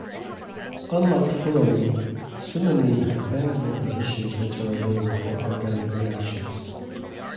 Unlike fullerene, sumanene has benzyl positions which are available for organic reactions.